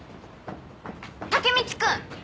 タケミチ君！